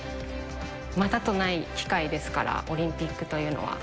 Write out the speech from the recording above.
またとない機会ですから、オリンピックというのは。